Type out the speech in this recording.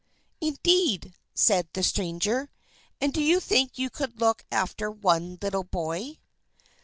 "Indeed!" said the stranger. "And do you think you could look after one little boy?"